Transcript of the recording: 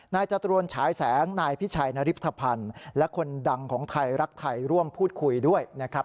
จตรวนฉายแสงนายพิชัยนริปธภัณฑ์และคนดังของไทยรักไทยร่วมพูดคุยด้วยนะครับ